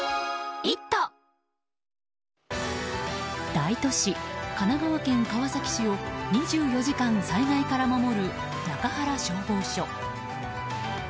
大都市・神奈川県川崎市を２４時間災害から守る中原消防署。